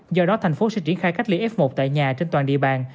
do đó thành phố sẽ triển khai cách ly f một tại nhà trên toàn địa bàn